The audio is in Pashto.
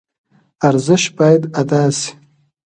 ارزش باید ادا شي.